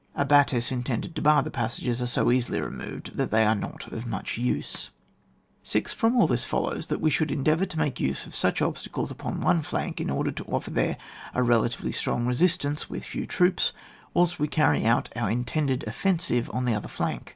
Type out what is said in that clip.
Abattis intended to bar the passages are so easily removed that they are not of much use. 6. From all this it follows that we should endeavour to make use of such obstacles upon one flank, in order to offer there a relatively strong resistance with few troops, whilst we carry out our in tended offensive on the other flank.